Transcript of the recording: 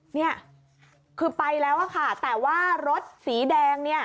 นี่คือไปแล้วค่ะแต่ว่ารถสีแดง